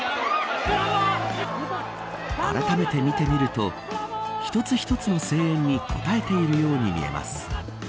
あらためて見てみると一つ一つの声援に応えているように見えます。